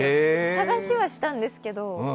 探しはしたんですけど。